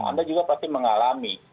anda juga pasti mengalami